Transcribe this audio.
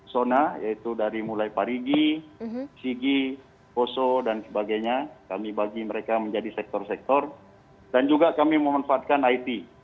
sona yaitu dari mulai parigi sigi poso dan sebagainya kami bagi mereka menjadi sektor sektor dan juga kami memanfaatkan it